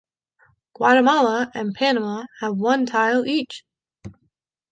Guatemala and Panama have one title each.